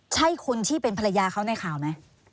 ใช่คนที่เป็นภรรยาเขาในข่าวไหม